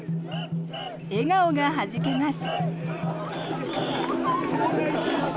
笑顔がはじけます。